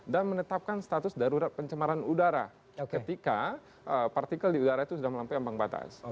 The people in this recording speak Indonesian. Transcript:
dan menetapkan status darurat pencemaran udara ketika partikel di udara itu sudah melampaui ambang batas